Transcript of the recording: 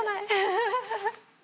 フフフッ。